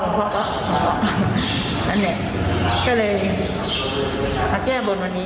นั่นแหละก็เลยมาแก้บนวันนี้